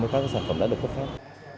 với các sản phẩm đã được cấp phép